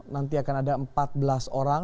nanti akan ada empat belas orang